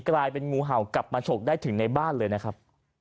กลายเป็นงูเห่ากลับมาฉกได้ถึงในบ้านเลยนะครับ